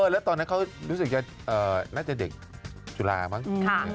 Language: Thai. แล้วตอนนั้นเขารู้สึกจะน่าจะเด็กจุฬามั้ง